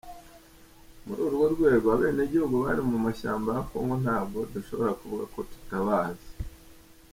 Muri urwo rwego, abenegihugu bari mu mashyamba ya Kongo, ntabwo dushobora kuvuga ko tutabazi.